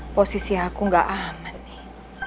posisi aku gak hangat nih